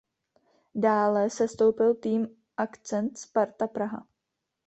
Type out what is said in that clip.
Dále sestoupil tým Akcent Sparta Praha.